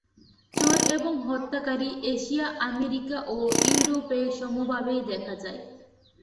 চোর এবং হত্যাকারী এশিয়া, আমেরিকা ও ইউরোপে সমভাবেই দেখা যায়।